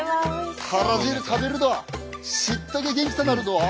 タラ汁食べるとしったげ元気さなるど。